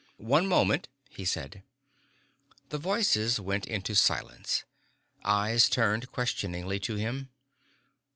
"One moment," he said. The voices went into silence. Eyes turned questioningly to him.